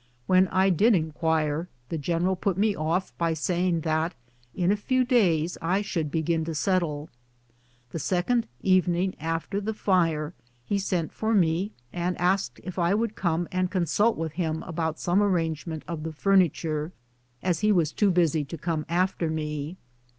When I did inquire, the general put me off by saying that in a few days I should begin to settle. The second evening after the fire he sent for me, and asked if I would come and con sult with him about some arrangement of the furniture, as he was too busy to come after me.